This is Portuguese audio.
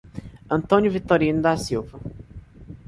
Antônio Vitorino da Silva